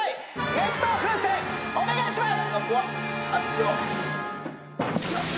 熱湯風船お願いします！